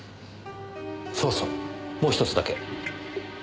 そうそうもうひとつだけ。